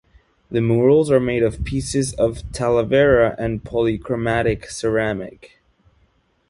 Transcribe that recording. The murals are made of pieces of talavera and polychromatic ceramic.